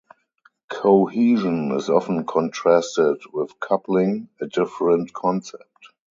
Cohesion is often contrasted with coupling, a different concept.